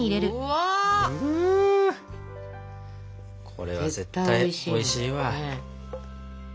これは絶対おいしいわ。